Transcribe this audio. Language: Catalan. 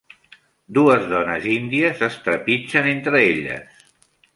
Dues dones índies es trepitgen entre elles.